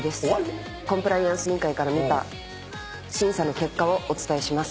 コンプライアンス委員会から見た審査の結果をお伝えします。